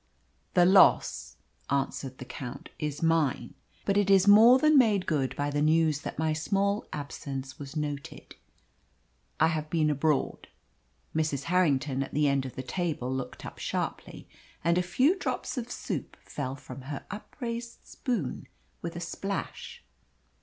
"The loss," answered the Count, "is mine. But it is more than made good by the news that my small absence was noted. I have been abroad." Mrs. Harrington at the end of the table looked up sharply, and a few drops of soup fell from her upraised spoon with a splash.